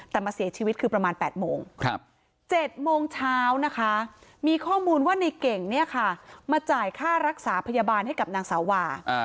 แต่มาเสียชีวิตคือประมาณ๘โมง๗โมงเช้านะคะมีข้อมูลว่าในเก่งเนี่ยค่ะมาจ่ายค่ารักษาพยาบาลให้กับนางสาวา